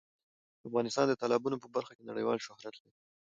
افغانستان د تالابونو په برخه کې نړیوال شهرت لري.